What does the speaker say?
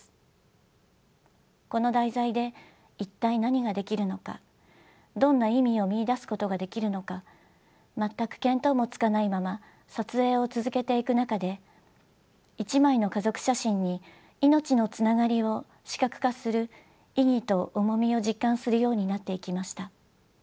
この題材で一体何ができるのかどんな意味を見いだすことができるのか全く見当もつかないまま撮影を続けていく中で一枚の家族写真に命のつながりを視覚化する意義と重みを実感するようになっていきました。